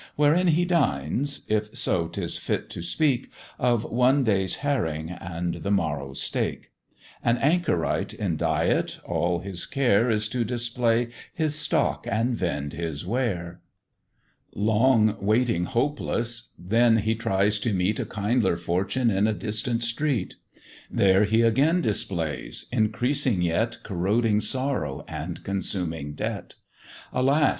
Wherein he dines, if so 'tis fit to speak Of one day's herring and the morrow's steak: An anchorite in diet, all his care Is to display his stock and vend his ware. Long waiting hopeless, then he tries to meet A kinder fortune in a distant street; There he again displays, increasing yet Corroding sorrow and consuming debt: Alas!